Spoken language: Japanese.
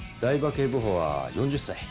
警部補は４０歳。